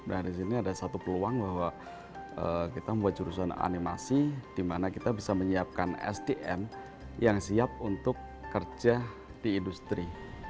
nah di sini ada satu peluang bahwa kita membuat jurusan animasi di mana kita bisa menyiapkan sdm yang siap untuk kerja di industri